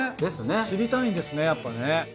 知りたいんですねやっぱね。